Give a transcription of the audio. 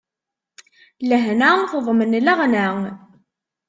Lehna teḍmen leɣna.